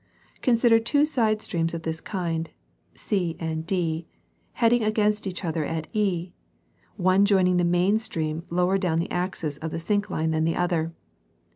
Consider two side streams of this kind, C and D, heading against each other at E, one joining the main stream lower down the axis of the syncline than the other.